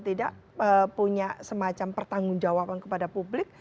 tidak punya semacam pertanggung jawaban kepada publik